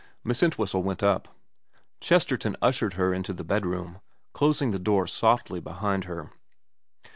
Miss Entwhistle went up. Chesterton ushered her into the bedroom, closing the door softly behind her.